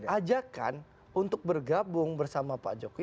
ajakan untuk bergabung bersama pak jokowi